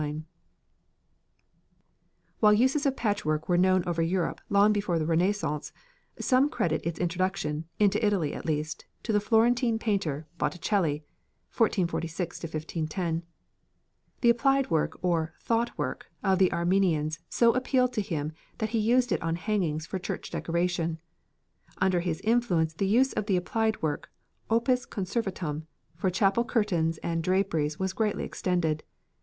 showing colonial bedstead with quilt and canopy] While the uses of patchwork were known over Europe long before the Renaissance, some credit its introduction, into Italy at least, to the Florentine painter, Botticelli (1446 1510). The applied work, or "thought work," of the Armenians so appealed to him that he used it on hangings for church decoration. Under his influence the use of the applied work, opus conservetum, for chapel curtains and draperies was greatly extended.